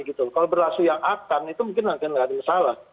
kalau berlaku yang akan itu mungkin akan tidak ada masalah